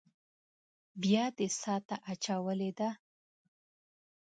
بيا دې څاه ته اچولې ده.